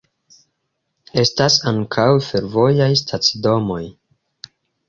Estas ankaŭ fervojaj stacidomoj.